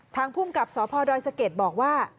ทางพุ่งกับสพสเก็ตบอกว่า